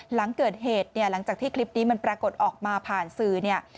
หลังเกิดเหตุเนี่ยหลังจากที่คลิปนี้มันปรากฏออกมาผ่านสื่อเนี่ย